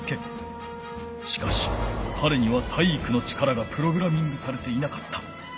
しかしかれには体育の力がプログラミングされていなかった。